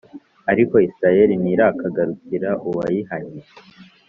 Ariko Israheli ntirakagarukira uwayihannye,